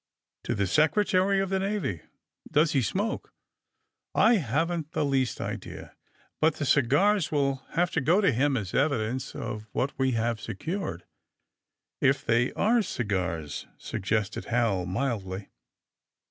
*'To the Secre tary of the Navy." Does he smoke!" ^*I haven't the least idea. But the cigars will have to go to him as evidence of what we have secured. '' If they are cigars," suggested Hal mildly.